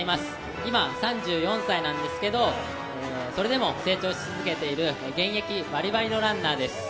今、３４歳なんですが、それでも成長し続けている現役バリバリのランナーです。